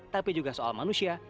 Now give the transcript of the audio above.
tapi juga soal manusia